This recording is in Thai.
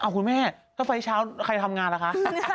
คุณแม่ถ้าไฟล์เช้าใครทำงานล่ะคะ